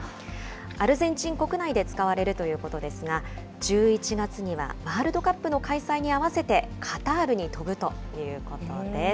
アルゼンチン国内で使われるということですが、１１月にはワールドカップの開催に合わせてカタールに飛ぶということです。